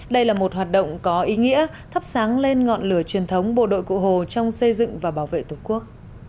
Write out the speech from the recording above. đây là một hoạt động có ý nghĩa thắp sáng lên ngọn lửa truyền thống bộ đội cụ hồ trong xây dựng và bảo vệ tổ quốc